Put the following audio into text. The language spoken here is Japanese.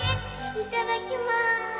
いただきます。